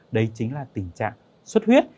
đấy chính là tình trạng suất huyết